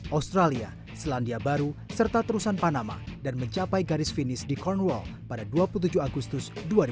australia selandia baru serta terusan panama dan mencapai garis finish di cornwall pada dua puluh tujuh agustus dua ribu dua puluh